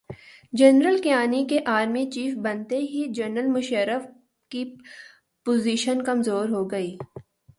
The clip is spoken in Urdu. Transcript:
جنرل کیانی کے آرمی چیف بنتے ہی جنرل مشرف کی پوزیشن کمزورہوگئی۔